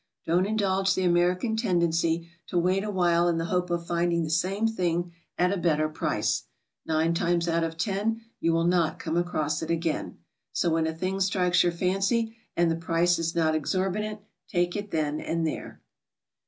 Don't indulge the Amer'ican tendency to wait a while in the hope of finding the same thing at a better price. Nine times out of ten you SOMEWHAT FINANCIAL. 205 will n'ot come across it again. So wthen a thing strikes your fancy and the price is not exorbitant, take it then and there.